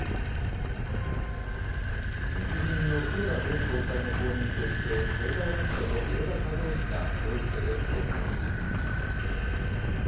日銀の黒田前総裁の後任として経済学者の植田和男氏がきょう付けで総裁に就任しました。